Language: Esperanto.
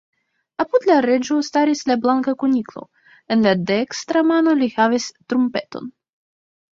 Apud la Reĝo staris la Blanka Kuniklo; en la dekstra mano li havis trumpeton.